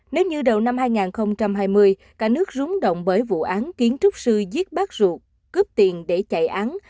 nếu như đầu năm hai nghìn hai mươi cả nước rúng động bởi vụ án kiến trúc sư giết bác ruột cướp tiền để chạy án